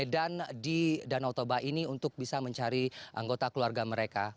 dan di danau toba ini untuk bisa mencari anggota keluarga mereka